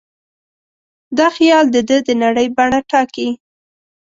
دا خیال د ده د نړۍ بڼه ټاکي.